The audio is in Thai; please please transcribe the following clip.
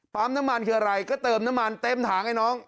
น้ำมันคืออะไรก็เติมน้ำมันเต็มถังไอ้น้อง